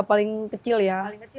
paling kecil omsetnya segitu